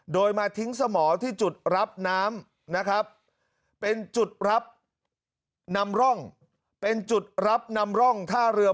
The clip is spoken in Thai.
โดยมาทิ้งสมอที่จุดรับน้ำนะครับเป็นจุดรับนำร่องเป็นจุดรับนำร่องท่าเรือ